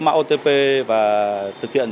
mạng otp và thực hiện